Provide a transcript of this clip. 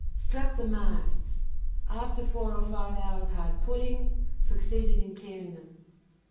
Struck the masts: after four or five hours hard pulling, succeeded in clearing them.